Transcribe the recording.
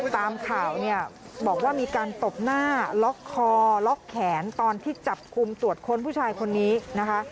ตามข่าวเนี่ยบอกว่ามีการตบหน้าล็อกคอล็อกแขนตอนที่จับคุมตรวจค้นผู้ชายคนนี้นะคะ